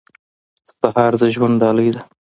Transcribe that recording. سهار د ژوند ډالۍ ده.